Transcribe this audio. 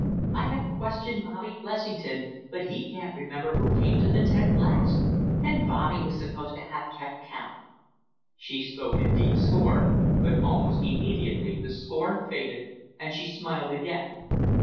I have questioned Bobby Blessington, but he can't remember who came to the tent last. And Bobby was supposed to have kept count!" She spoke in deep scorn; but almost immediately the scorn faded and she smiled again.